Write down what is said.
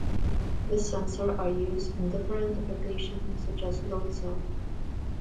This sensor are use in different application such as load cell.